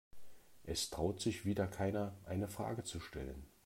Es traut sich wieder keiner, eine Frage zu stellen.